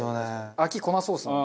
飽きこなそうっすもんね。